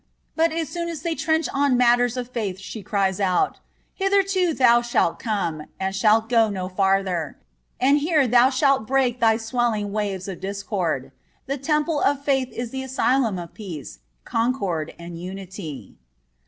But as soon as they trench on matters of faith she cries out: "Hitherto thou shalt come, and shalt go no farther; and here thou shalt break thy swelling waves"(27) of discord. The temple of faith is the asylum of peace, concord and unity.